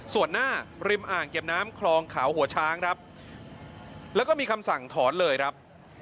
ส่วนหน้าริมอ่างเก็บน้ำคลองขาวหัวช้างครับแล้วก็มีคำสั่งถอนเลยครับ